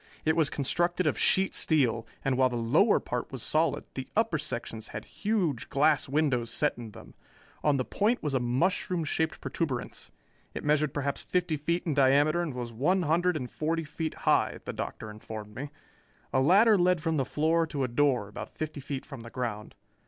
It was constructed of sheet steel, and while the lower part was solid, the upper sections had huge glass windows set in them. On the point was a mushroom shaped protuberance. It measured perhaps fifty feet in diameter and was one hundred and forty feet high, the Doctor informed me. A ladder led from the floor to a door about fifty feet from the ground.